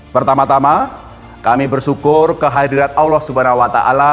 pertama tama kami bersyukur kehadirat allah swt